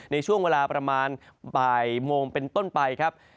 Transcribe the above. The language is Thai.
ในช่วงเวลาประมาณบ่ายโมงเป็นต้นไปครับ